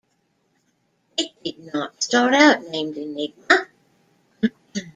It did not start out named "Enigma".